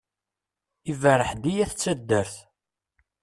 Iberreḥ-d i At taddart.